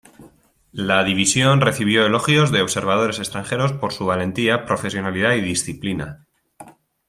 La división recibió elogios de observadores extranjeros por su valentía, profesionalidad y disciplina.